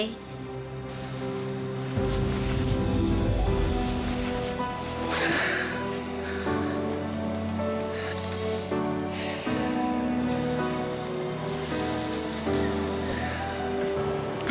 ya gak mungkin persahabatan kita akan putus frey